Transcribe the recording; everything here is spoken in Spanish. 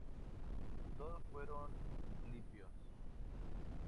todos fueron limpios: